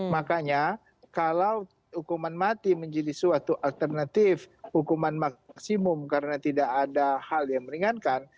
makanya kalau hukuman mati menjadi suatu alternatif hukuman maksimum karena tidak ada hal yang meringankan